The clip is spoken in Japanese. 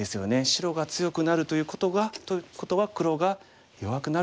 白が強くなるということは黒が弱くなるかもしれません。